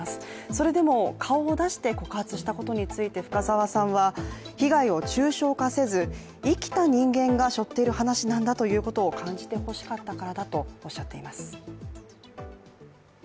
それでも顔を出して告発したことについて深沢さんは被害を抽象化せず、生きた人間がしょっている話なんだということを感じてほしかったからだとおっしゃっています。